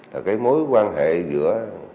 là cái mối quan hệ giữa